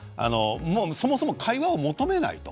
そもそも会話を求めないと。